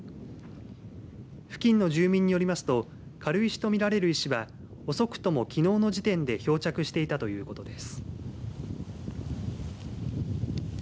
付近の住民によりますと軽石とみられる石は、遅くともきのうの時点で漂着していたということです。